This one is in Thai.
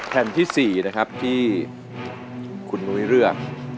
แผ่นที่๔นะครับที่คุณนุ้ยเลือก